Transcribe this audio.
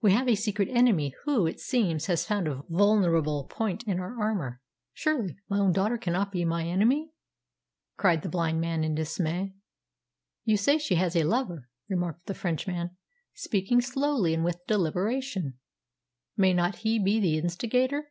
We have a secret enemy, who, it seems, has found a vulnerable point in our armour." "Surely my own daughter cannot be my enemy?" cried the blind man in dismay. "You say she has a lover," remarked the Frenchman, speaking slowly and with deliberation. "May not he be the instigator?"